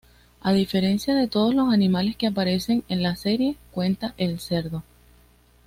A diferencia de todos los animales que aparecen en la serie cuenta el cerdo.